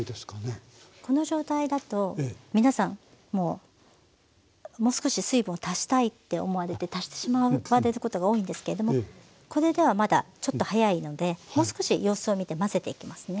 この状態だと皆さんもうもう少し水分を足したいって思われて足してしまわれることが多いんですけどもこれではまだちょっと早いのでもう少し様子を見て混ぜていきますね。